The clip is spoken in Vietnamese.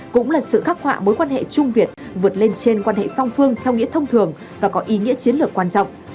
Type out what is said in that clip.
cũng là sự khắc họa mối quan hệ trung việt vượt lên trên quan hệ song phương theo nghĩa thông thường và có ý nghĩa chiến lược quan trọng